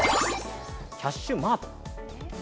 キャッシュマート。